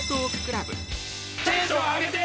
テンション上げて！